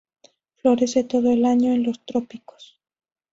Florece todo el año en los trópicos.